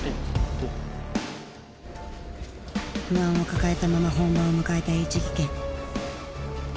不安を抱えたまま本番を迎えたＨ技研。